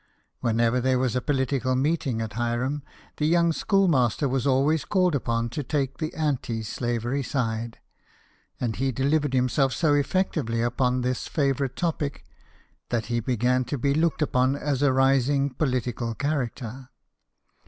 Whenever there was a political meeting at Hiram, the young schoolmaster was always called upon to take the anti slavery side ; and he delivered himself so effectively upon this favourite topic that he began to be looked upon as a rising political character.